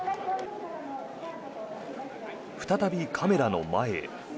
再びカメラの前へ。